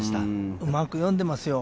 うまく読んでますよ。